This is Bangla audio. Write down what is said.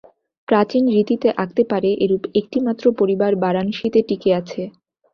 প্রাচীন রীতিতে আঁকতে পারে, এরূপ একটি মাত্র পরিবার বারাণসীতে টিকে আছে।